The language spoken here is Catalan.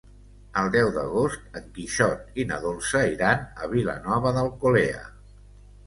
El deu d'agost en Quixot i na Dolça iran a Vilanova d'Alcolea.